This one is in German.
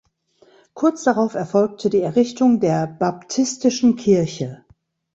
Kurz darauf erfolgte die Errichtung der baptistischen Kirche.